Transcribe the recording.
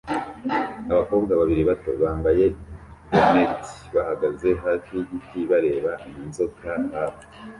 abakobwa babiri bato bambaye bonneti bahagaze hafi yigiti bareba inzoka hafi